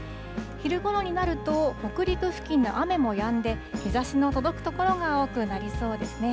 昼ごろになると、北陸付近で雨もやんで日ざしの届く所が多くなりそうですね。